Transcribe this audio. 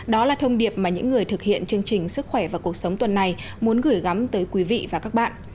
đó là thông điệp mà những người thực hiện chương trình sức khỏe và cuộc sống tuần này muốn gửi gắm tới quý vị và các bạn